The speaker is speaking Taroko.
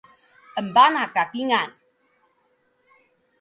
Embanah ka kingal